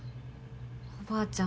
おばあちゃん